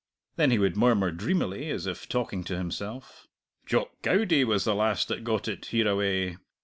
Then he would murmur dreamily, as if talking to himself, "Jock Goudie was the last that got it hereaway.